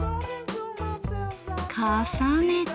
重ねて。